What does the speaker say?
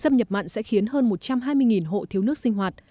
xâm nhập mặn sẽ khiến hơn một trăm hai mươi hộ thiếu nước sinh hoạt